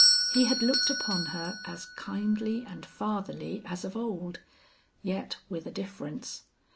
He had looked upon her as kindly and fatherly as of old, yet with a difference.